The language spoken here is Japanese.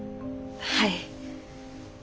はい。